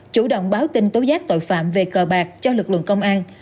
chủ động báo tin tố giác tội phạm về cờ bạc cho lực lượng công an